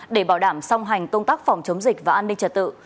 để bảo đảm song hành công tác phòng chống dịch và an ninh trật tự